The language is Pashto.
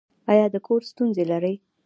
ایا د کور ستونزې لرئ؟